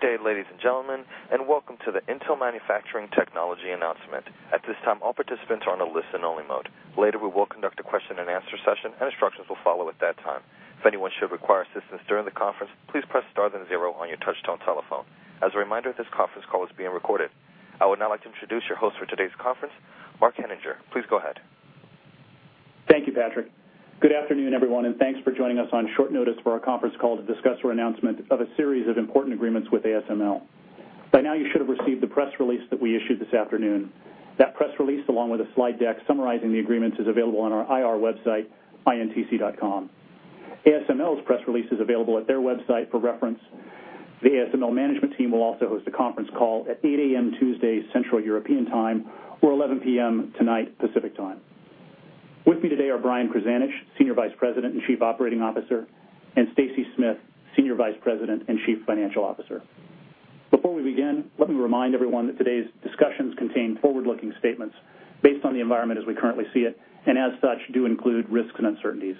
Good day, ladies and gentlemen, and welcome to the Intel Manufacturing Technology Announcement. At this time, all participants are on a listen-only mode. Later, we will conduct a question and answer session, and instructions will follow at that time. If anyone should require assistance during the conference, please press star then zero on your touch-tone telephone. As a reminder, this conference call is being recorded. I would now like to introduce your host for today's conference, Mark Henninger. Please go ahead. Thank you, Patrick. Good afternoon, everyone, and thanks for joining us on short notice for our conference call to discuss our announcement of a series of important agreements with ASML. By now, you should have received the press release that we issued this afternoon. That press release, along with a slide deck summarizing the agreements, is available on our IR website, intc.com. ASML's press release is available at their website for reference. The ASML management team will also host a conference call at 8:00 A.M. Tuesday, Central European Time, or 11:00 P.M. tonight, Pacific Time. With me today are Brian Krzanich, Senior Vice President and Chief Operating Officer, and Stacy Smith, Senior Vice President and Chief Financial Officer. Before we begin, let me remind everyone that today's discussions contain forward-looking statements based on the environment as we currently see it, and as such, do include risks and uncertainties.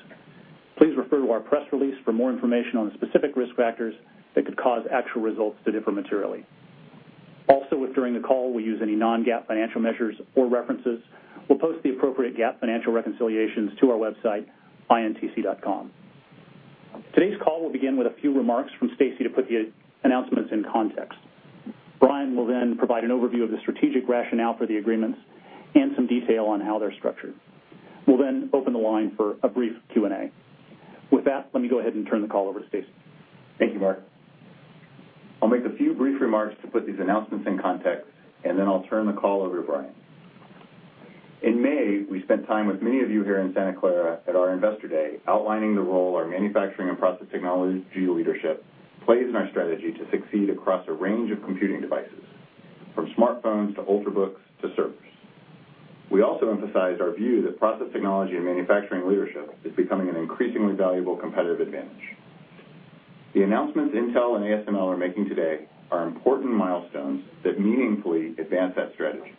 Please refer to our press release for more information on the specific risk factors that could cause actual results to differ materially. Also, if during the call we use any non-GAAP financial measures or references, we'll post the appropriate GAAP financial reconciliations to our website, intc.com. Today's call will begin with a few remarks from Stacy to put the announcements in context. Brian will then provide an overview of the strategic rationale for the agreements and some detail on how they're structured. We'll then open the line for a brief Q&A. With that, let me go ahead and turn the call over to Stacy. Thank you, Mark. I'll make a few brief remarks to put these announcements in context, and then I'll turn the call over to Brian. In May, we spent time with many of you here in Santa Clara at our Investor Day, outlining the role our manufacturing and process technology leadership plays in our strategy to succeed across a range of computing devices, from smartphones to ultrabooks to servers. We also emphasized our view that process technology and manufacturing leadership is becoming an increasingly valuable competitive advantage. The announcements Intel and ASML are making today are important milestones that meaningfully advance that strategy.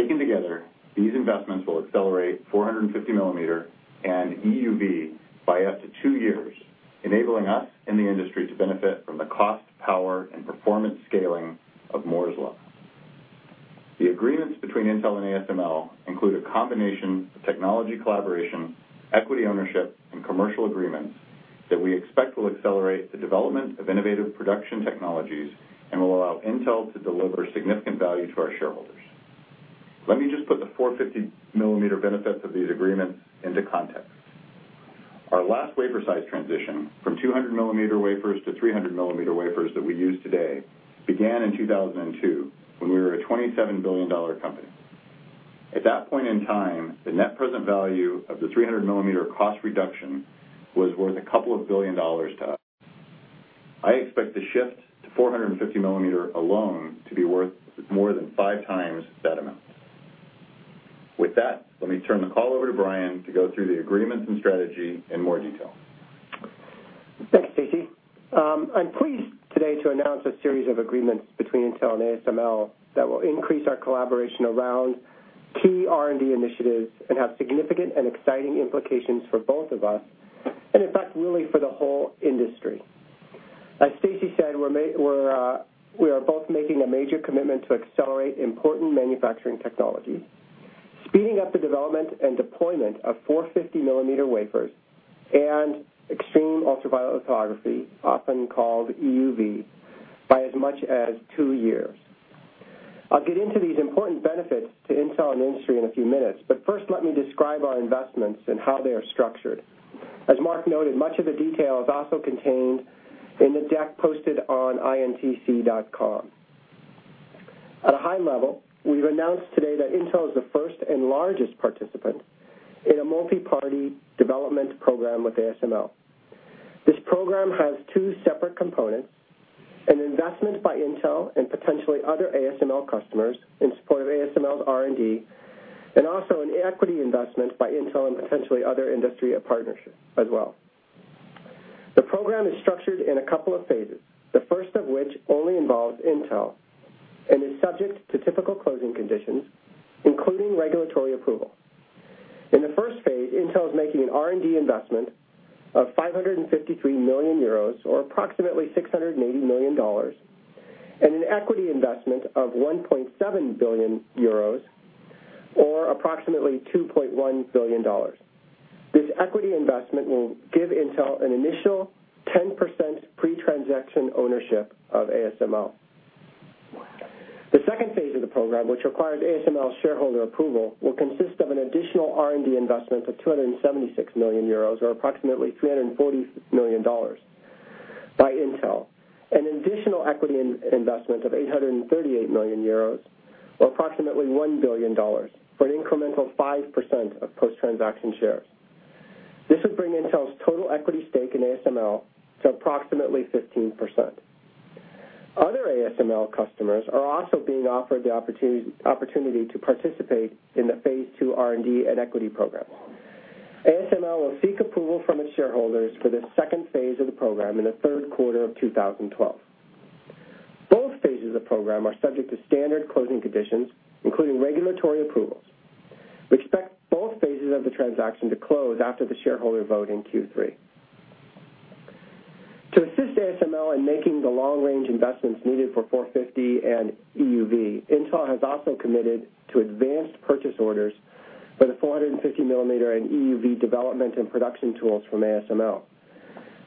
Taken together, these investments will accelerate 450 millimeter and EUV by up to two years, enabling us and the industry to benefit from the cost, power, and performance scaling of Moore's law. The agreements between Intel and ASML include a combination of technology collaboration, equity ownership, and commercial agreements that we expect will accelerate the development of innovative production technologies and will allow Intel to deliver significant value to our shareholders. Let me just put the 450-millimeter benefits of these agreements into context. Our last wafer size transition, from 200-millimeter wafers to 300-millimeter wafers that we use today, began in 2002, when we were a $27 billion company. At that point in time, the net present value of the 300-millimeter cost reduction was worth a couple of billion dollars to us. I expect the shift to 450 millimeter alone to be worth more than five times that amount. With that, let me turn the call over to Brian to go through the agreements and strategy in more detail. Thanks, Stacy. I'm pleased today to announce a series of agreements between Intel and ASML that will increase our collaboration around key R&D initiatives and have significant and exciting implications for both of us, in fact, really for the whole industry. As Stacy said, we are both making a major commitment to accelerate important manufacturing technology, speeding up the development and deployment of 450-millimeter wafers and extreme ultraviolet lithography, often called EUV, by as much as two years. I'll get into these important benefits to Intel and the industry in a few minutes, first let me describe our investments and how they are structured. As Mark noted, much of the detail is also contained in the deck posted on intc.com. At a high level, we've announced today that Intel is the first and largest participant in a multi-party development program with ASML. This program has two separate components, an investment by Intel and potentially other ASML customers in support of ASML's R&D, an equity investment by Intel and potentially other industry partners as well. The program is structured in a couple of phases, the first of which only involves Intel and is subject to typical closing conditions, including regulatory approval. In the first phase, Intel is making an R&D investment of €553 million, or approximately $680 million, and an equity investment of €1.7 billion, or approximately $2.1 billion. This equity investment will give Intel an initial 10% pre-transaction ownership of ASML. The second phase of the program, which requires ASML shareholder approval, will consist of an additional R&D investment of €276 million, or approximately $340 million, by Intel, and an additional equity investment of €838 million, or approximately $1 billion, for an incremental 5% of post-transaction shares. This would bring Intel's total equity stake in ASML to approximately 15%. Other ASML customers are also being offered the opportunity to participate in the phase 2 R&D and equity program. ASML will seek approval from its shareholders for this second phase of the program in the third quarter of 2012. Both phases of the program are subject to standard closing conditions, including regulatory approvals. Phases of the transaction to close after the shareholder vote in Q3. To assist ASML in making the long-range investments needed for 450 and EUV, Intel has also committed to advanced purchase orders for the 450 millimeter and EUV development and production tools from ASML.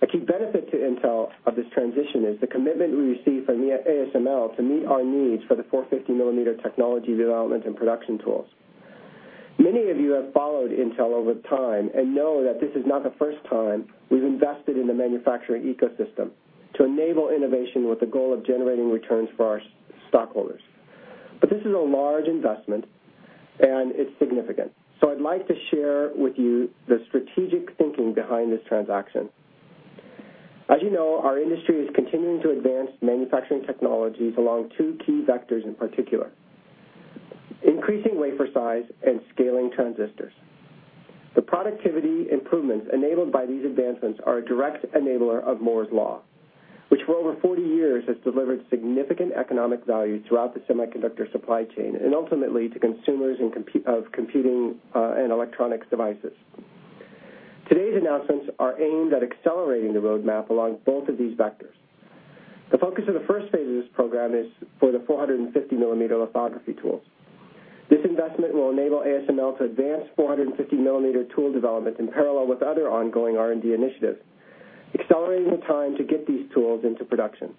A key benefit to Intel of this transition is the commitment we receive from ASML to meet our needs for the 450 millimeter technology development and production tools. Many of you have followed Intel over time and know that this is not the first time we've invested in the manufacturing ecosystem to enable innovation with the goal of generating returns for our stockholders. This is a large investment, and it's significant. I'd like to share with you the strategic thinking behind this transaction. As you know, our industry is continuing to advance manufacturing technologies along two key vectors, in particular, increasing wafer size and scaling transistors. The productivity improvements enabled by these advancements are a direct enabler of Moore's Law, which for over 40 years has delivered significant economic value throughout the semiconductor supply chain, and ultimately to consumers of computing and electronics devices. Today's announcements are aimed at accelerating the roadmap along both of these vectors. The focus of the first phase of this program is for the 450 millimeter lithography tools. This investment will enable ASML to advance 450 millimeter tool development in parallel with other ongoing R&D initiatives, accelerating the time to get these tools into production.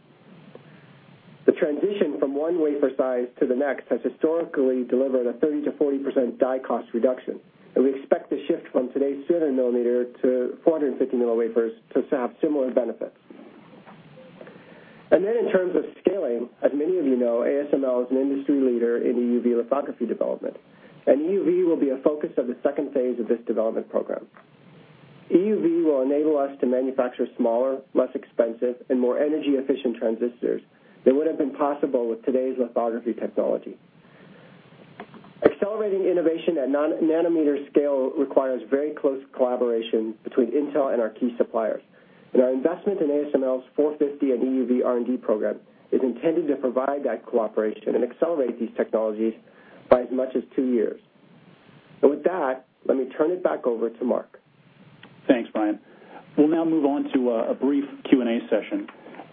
The transition from one wafer size to the next has historically delivered a 30%-40% die cost reduction, and we expect the shift from today's 300 millimeter to 450 millimeter wafers to have similar benefits. In terms of scaling, as many of you know, ASML is an industry leader in EUV lithography development, and EUV will be a focus of the second phase of this development program. EUV will enable us to manufacture smaller, less expensive, and more energy-efficient transistors than would have been possible with today's lithography technology. Accelerating innovation at nanometer scale requires very close collaboration between Intel and our key suppliers, and our investment in ASML's 450 and EUV R&D program is intended to provide that cooperation and accelerate these technologies by as much as two years. With that, let me turn it back over to Mark. Thanks, Brian. We'll now move on to a brief Q&A session.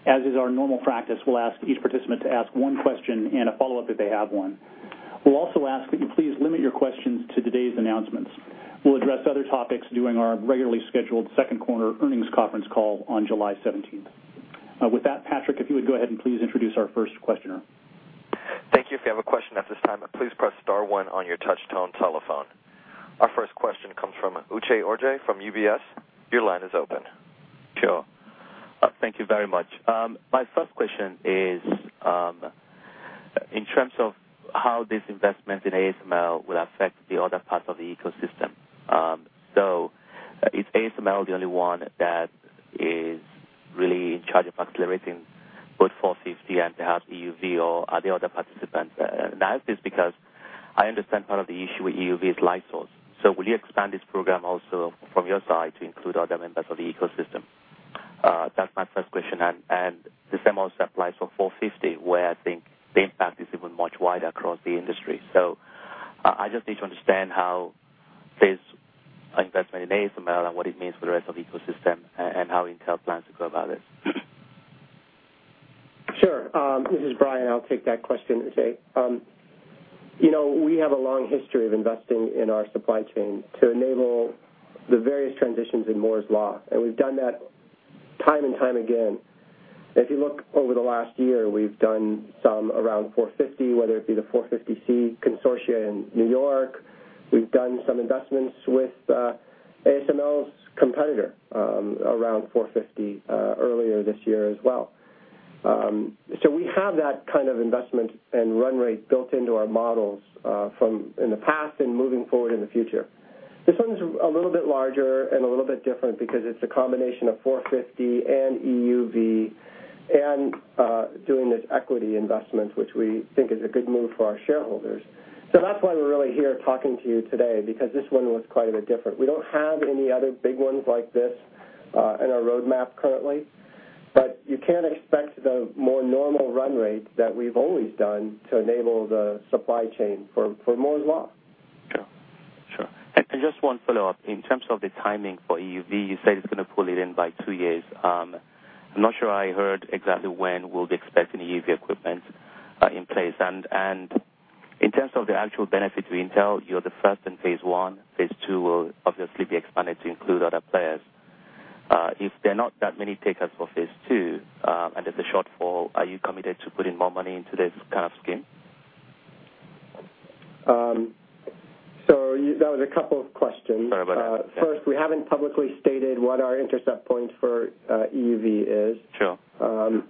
As is our normal practice, we'll ask each participant to ask one question and a follow-up if they have one. We'll also ask that you please limit your questions to today's announcements. We'll address other topics during our regularly scheduled second quarter earnings conference call on July 17th. With that, Patrick, if you would go ahead and please introduce our first questioner. Thank you. If you have a question at this time, please press star one on your touchtone telephone. Our first question comes from Uche Orji from UBS. Your line is open. Sure. Thank you very much. My first question is, in terms of how this investment in ASML will affect the other parts of the ecosystem. Is ASML the only one that is really in charge of accelerating both 450 and perhaps EUV, or are there other participants? I ask this because I understand part of the issue with EUV is light source. Will you expand this program also from your side to include other members of the ecosystem? That's my first question, the same also applies for 450, where I think the impact is even much wider across the industry. I just need to understand how this investment in ASML and what it means for the rest of the ecosystem and how Intel plans to go about this. Sure. This is Brian. I'll take that question, Uche. We have a long history of investing in our supply chain to enable the various transitions in Moore's Law, and we've done that time and time again. If you look over the last year, we've done some around 450, whether it be the G450C consortia in New York. We've done some investments with ASML's competitor, around 450, earlier this year as well. We have that kind of investment and run rate built into our models from in the past and moving forward in the future. This one's a little bit larger and a little bit different because it's a combination of 450 and EUV and doing this equity investment, which we think is a good move for our shareholders. That's why we're really here talking to you today because this one was quite a bit different. We don't have any other big ones like this in our roadmap currently, you can expect the more normal run rate that we've always done to enable the supply chain for Moore's Law. Sure. Sure. Just one follow-up. In terms of the timing for EUV, you said it's going to pull it in by two years. I'm not sure I heard exactly when we'll be expecting EUV equipment in place. In terms of the actual benefit to Intel, you're the first in phase one. Phase two will obviously be expanded to include other players. If there are not that many takers for phase two and there's a shortfall, are you committed to putting more money into this kind of scheme? That was a couple of questions. Sorry about that. First, we haven't publicly stated what our intercept point for EUV is. Sure.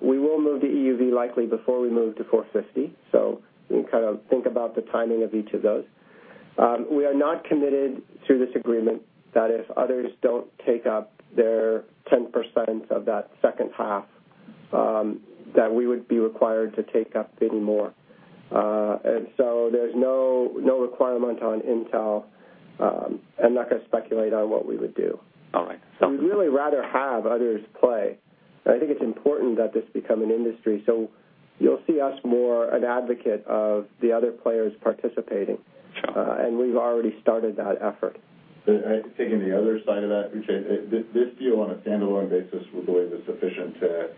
We will move to EUV likely before we move to 450, we can kind of think about the timing of each of those. We are not committed to this agreement that if others don't take up their 10% of that second half, that we would be required to take up any more. There's no requirement on Intel. I'm not going to speculate on what we would do. All right. We'd really rather have others play. I think it's important that this become an industry. You'll see us more an advocate of the other players participating, and we've already started that effort. Taking the other side of that, Uche, this deal on a standalone basis, we believe is sufficient to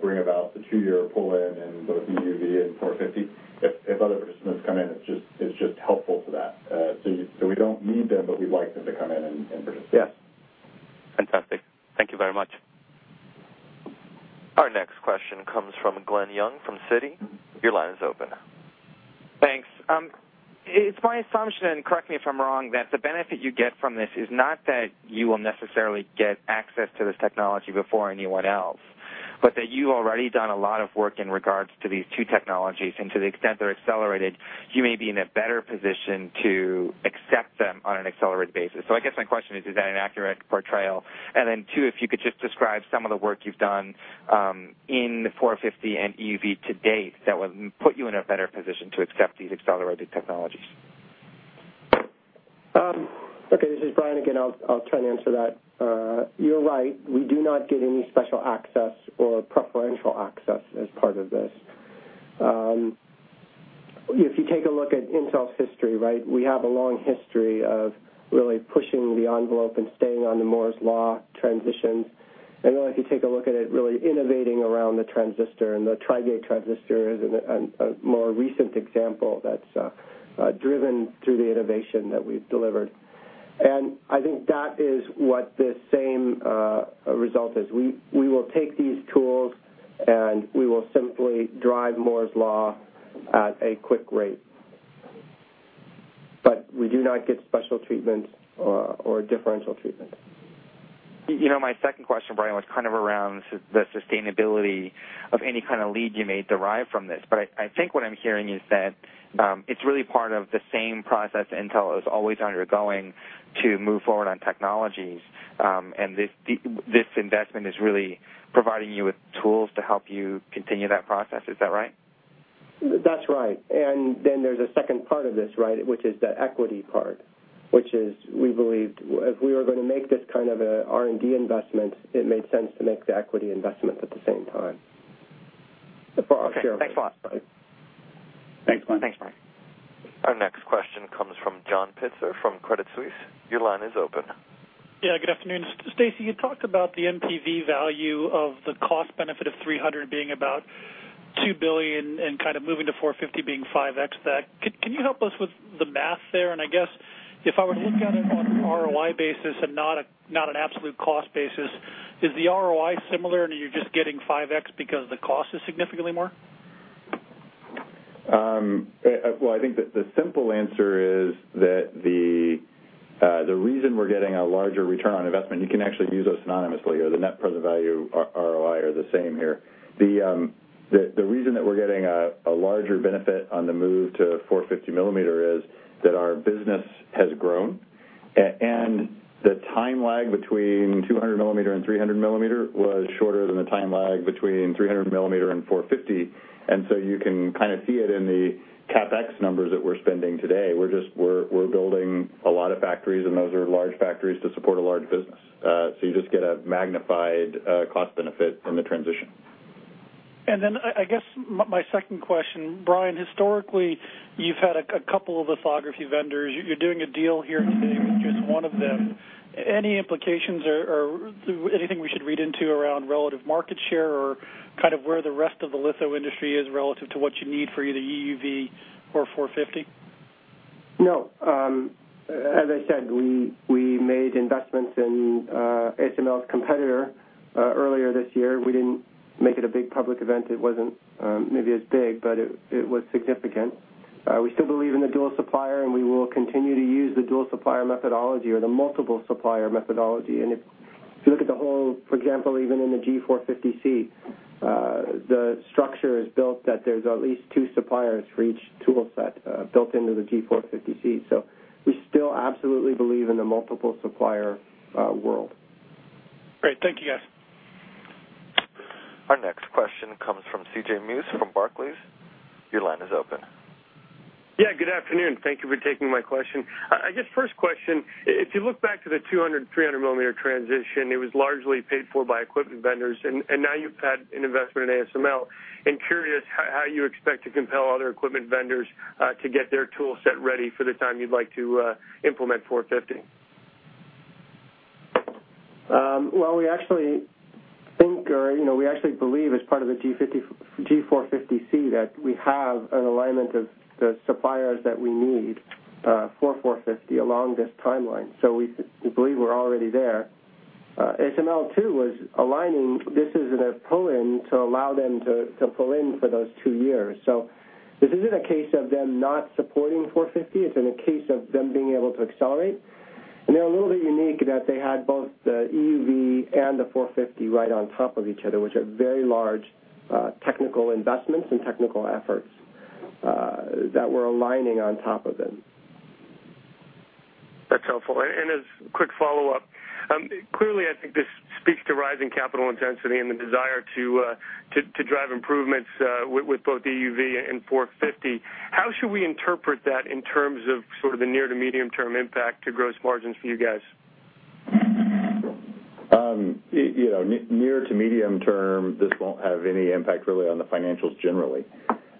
bring about the two-year pull-in both EUV and 450. If other participants come in, it's just helpful for that. We don't need them, but we'd like them to come in and participate. Yes. Fantastic. Thank you very much. Our next question comes from Glen Yeung from Citi. Your line is open. Thanks. It's my assumption, and correct me if I'm wrong, that the benefit you get from this is not that you will necessarily get access to this technology before anyone else, but that you already done a lot of work in regards to these two technologies, and to the extent they're accelerated, you may be in a better position to accept them on an accelerated basis. I guess my question is that an accurate portrayal? Then two, if you could just describe some of the work you've done in 450 and EUV to date that will put you in a better position to accept these accelerated technologies. Okay, this is Brian again. I'll try and answer that. You're right. We do not get any special access or preferential access as part of this. If you take a look at Intel's history, we have a long history of really pushing the envelope and staying on the Moore's law transitions. Really, if you take a look at it, really innovating around the transistor, and the Tri-Gate transistor is a more recent example that's driven through the innovation that we've delivered. I think that is what this same result is. We will take these tools, and we will simply drive Moore's law at a quick rate. We do not get special treatment or differential treatment. My second question, Brian, was kind of around the sustainability of any kind of lead you may derive from this. I think what I'm hearing is that it's really part of the same process Intel is always undergoing to move forward on technologies. This investment is really providing you with tools to help you continue that process; is that right? That's right. There's a second part of this, which is the equity part, which is, we believed if we were going to make this kind of a R&D investment, it made sense to make the equity investment at the same time. Okay. Thanks a lot. Thanks, Glen. Thanks, Brian. Our next question comes from John Pitzer from Credit Suisse. Your line is open. Yeah, good afternoon. Stacy, you talked about the NPV value of the cost benefit of 300 being about $2 billion and kind of moving to 450 being 5X that. Can you help us with the math there? I guess if I were to look at it on an ROI basis and not an absolute cost basis, is the ROI similar and you're just getting 5X because the cost is significantly more? Well, I think that the simple answer is that the reason we're getting a larger return on investment, you can actually use those synonymously, or the net present value ROI are the same here. The reason that we're getting a larger benefit on the move to 450 millimeter is that our business has grown, and the time lag between 300 millimeter and 300 millimeter was shorter than the time lag between 300 millimeter and 450, and so you can kind of see it in the CapEx numbers that we're spending today. We're building a lot of factories, and those are large factories to support a large business. You just get a magnified cost benefit from the transition. Then I guess my second question, Brian, historically, you've had a couple of lithography vendors. You're doing a deal here today with just one of them. Any implications or anything we should read into around relative market share or kind of where the rest of the litho industry is relative to what you need for either EUV or 450? No. As I said, we made investments in ASML's competitor earlier this year. We didn't make it a big public event. It wasn't maybe as big, but it was significant. We still believe in the dual supplier, and we will continue to use the dual supplier methodology or the multiple supplier methodology. If you look at the whole, for example, even in the G450C, the structure is built that there's at least two suppliers for each tool set built into the G450C. We still absolutely believe in the multiple supplier world. Great. Thank you, guys. Our next question comes from CJ Muse from Barclays. Your line is open. Good afternoon. Thank you for taking my question. I guess first question, if you look back to the 200-millimeter, 300-millimeter transition, it was largely paid for by equipment vendors, and now you've had an investment in ASML. Curious how you expect to compel other equipment vendors to get their tool set ready for the time you'd like to implement 450. Well, we actually think or we actually believe as part of the G450C that we have an alignment of the suppliers that we need for 450 along this timeline. We believe we're already there. ASML, too, was aligning. This is their pull-in to allow them to pull in for those two years. This isn't a case of them not supporting 450; it's in a case of them being able to accelerate. They're a little bit unique that they had both the EUV and the 450 right on top of each other, which are very large technical investments and technical efforts that we're aligning on top of them. That's helpful. As quick follow-up, clearly I think this speaks to rising capital intensity and the desire to drive improvements with both EUV and 450. How should we interpret that in terms of sort of the near-to-medium-term impact to gross margins for you guys? Near to medium term, this won't have any impact really on the financials generally.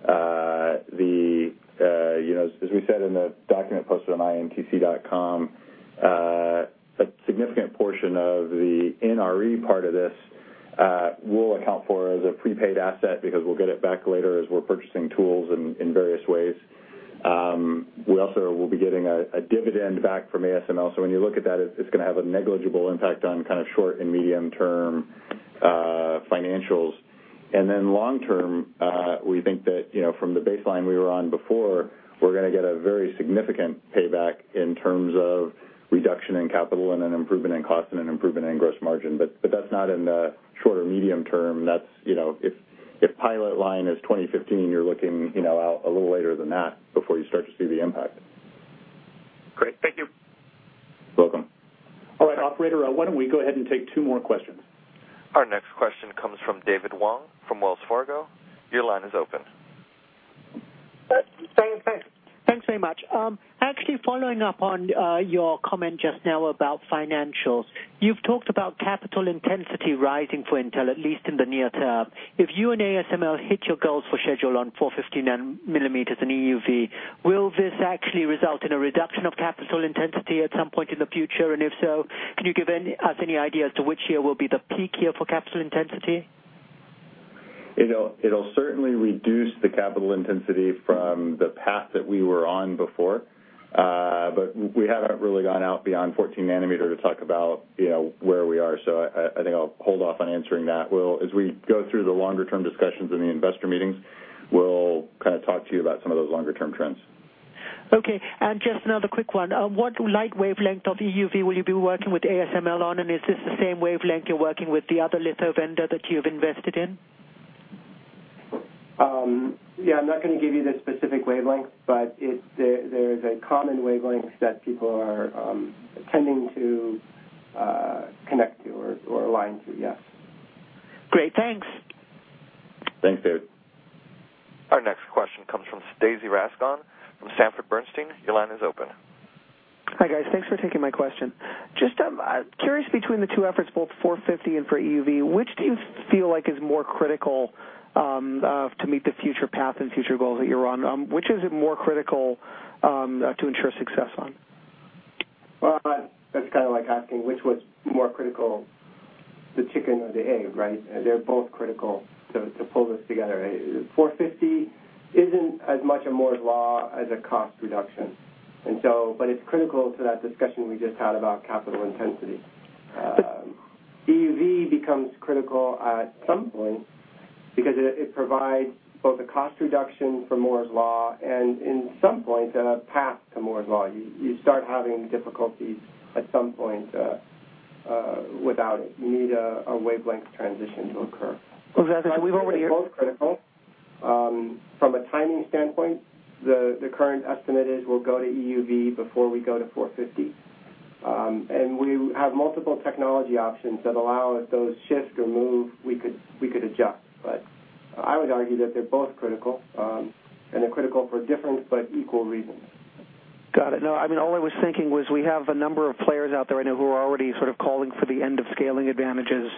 As we said in the document posted on intc.com, a significant portion of the NRE part of this will account for as a prepaid asset because we'll get it back later as we're purchasing tools in various ways. We also will be getting a dividend back from ASML. When you look at that, it's going to have a negligible impact on short and medium-term financials. Long term, we think that from the baseline we were on before, we're going to get a very significant payback in terms of reduction in capital and an improvement in cost and an improvement in gross margin. That's not in the short or medium term. If pilot line is 2015, you're looking out a little later than that before you start to see the impact. Great. Thank you. Welcome. All right, operator, why don't we go ahead and take two more questions. Our next question comes from David Wong from Wells Fargo. Your line is open. Thanks very much. Actually, following up on your comment just now about financials. You've talked about capital intensity rising for Intel, at least in the near term. If you and ASML hit your goals for schedule on 450 millimeters in EUV, will this actually result in a reduction of capital intensity at some point in the future, and if so, can you give us any idea as to which year will be the peak year for capital intensity? It'll certainly reduce the capital intensity from the path that we were on before. We haven't really gone out beyond 14 nanometer to talk about where we are. I think I'll hold off on answering that. As we go through the longer-term discussions in the investor meetings, we'll talk to you about some of those longer-term trends. Okay. Just another quick one. What light wavelength of EUV will you be working with ASML on, and is this the same wavelength you're working with the other litho vendor that you've invested in? Yeah, I'm not going to give you the specific wavelength, but there is a common wavelength that people are tending to connect to or align to, yes. Great. Thanks. Thanks, David. Our next question comes from Stacy Rasgon from Sanford Bernstein. Your line is open. Hi, guys. Thanks for taking my question. Just curious between the two efforts, both 450 and for EUV, which do you feel like is more critical to meet the future path and future goals that you're on? Which is it more critical to ensure success on? That's kind of like asking which was more critical, the chicken or the egg, right? They're both critical to pull this together. 450 isn't as much a Moore's Law as a cost reduction. It's critical to that discussion we just had about capital intensity. EUV becomes critical at some point because it provides both a cost reduction for Moore's Law and in some points, a path to Moore's Law. You start having difficulties at some point without it. You need a wavelength transition to occur. Okay, we've already. They're both critical. From a timing standpoint, the current estimate is we'll go to EUV before we go to 450. We have multiple technology options that allow if those shift or move, we could adjust. I would argue that they're both critical, and they're critical for different but equal reasons. Got it. No, all I was thinking was we have a number of players out there right now who are already sort of calling for the end of scaling advantages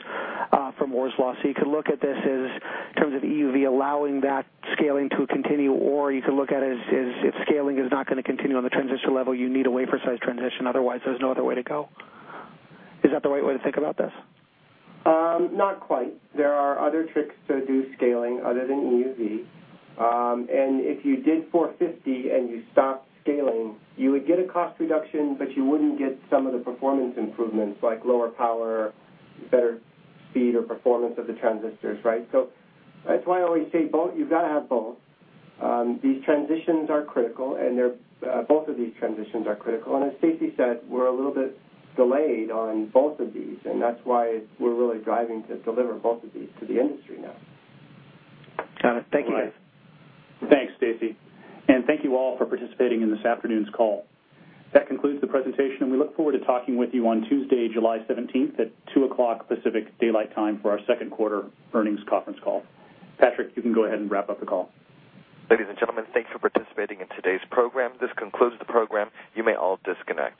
from Moore's Law. You could look at this in terms of EUV allowing that scaling to continue, or you could look at it as if scaling is not going to continue on the transistor level, you need a wafer size transition, otherwise there's no other way to go. Is that the right way to think about this? Not quite. There are other tricks to do scaling other than EUV. If you did 450 and you stopped scaling, you would get a cost reduction, but you wouldn't get some of the performance improvements like lower power, better speed or performance of the transistors, right? That's why I always say you've got to have both. These transitions are critical and both of these transitions are critical. As Stacy said, we're a little bit delayed on both of these, and that's why we're really driving to deliver both of these to the industry now. Got it. Thank you, guys. Thanks, Stacy. Thank you all for participating in this afternoon's call. That concludes the presentation, and we look forward to talking with you on Tuesday, July 17th at 2:00 P.M. Pacific daylight time for our second quarter earnings conference call. Patrick, you can go ahead and wrap up the call. Ladies and gentlemen, thank you for participating in today's program. This concludes the program. You may all disconnect.